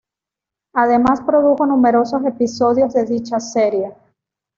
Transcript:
Además produjo numerosos episodios de dicha serie.